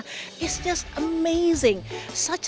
ini sangat luar biasa